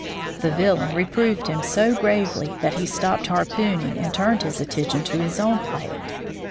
The Villain reproved him so gravely that he stopped harpoon ing and turned his attention to his own plate.